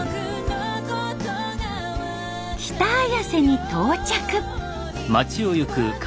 北綾瀬に到着。